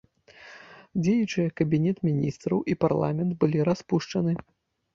Дзеючыя кабінет міністраў і парламент былі распушчаны.